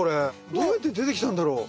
どうやって出てきたんだろう？